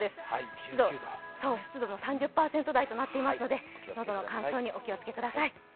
湿度も３０％台となっていますので、喉の乾燥にお気をつけください。